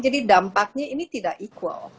jadi dampaknya ini tidak equal